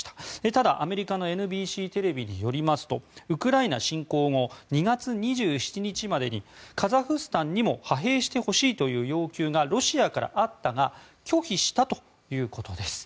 ただ、アメリカのＮＢＣテレビによりますとウクライナ侵攻後２月２７日までにカザフスタンにも派兵してほしいという要求がロシアからあったが拒否したということです。